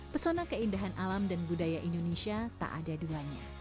pesona keindahan alam dan budaya indonesia tak ada duanya